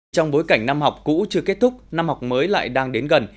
trong bối cảnh năm học cũ chưa kết thúc năm học mới lại đang đến gần